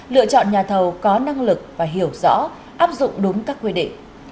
lựa chọn nhà thầu có năng lực và hiểu rõ áp dụng đúng các quy định